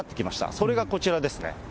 それがこちらですね。